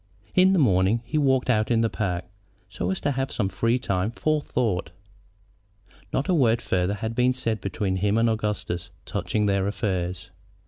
In the morning he walked out in the park, so as to have free time for thought. Not a word farther had been said between him and Augustus touching their affairs.